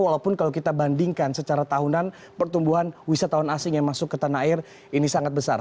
walaupun kalau kita bandingkan secara tahunan pertumbuhan wisatawan asing yang masuk ke tanah air ini sangat besar